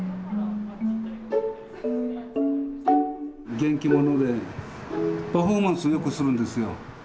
元気者でパフォーマンスをよくするんですよ。